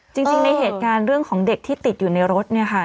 จริงในเหตุการณ์เรื่องของเด็กที่ติดอยู่ในรถเนี่ยค่ะ